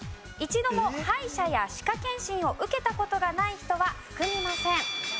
一度も歯医者や歯科検診を受けた事がない人は含みません。